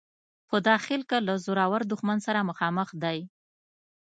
په داخل کې له زورور دښمن سره مخامخ دی.